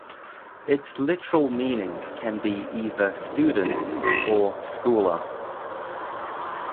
Its literal meaning can be either "student" or "scholar".